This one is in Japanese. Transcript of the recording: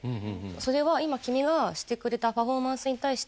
「それは今君がしてくれたパフォーマンスに対して」